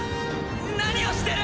何をしてる！？